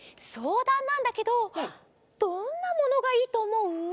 そうだんなんだけどどんなものがいいとおもう？